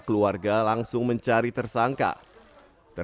terus saya kejar orang itu